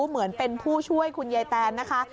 เหมือนเป็นผู้ช่วยคุณยายแตนนะคะ